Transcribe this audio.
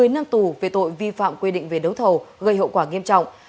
một mươi năm tù về tội vi phạm quy định về đấu thầu gây hậu quả nghiêm trọng